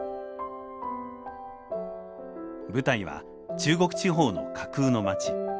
舞台は中国地方の架空の町。